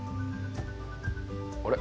あれ？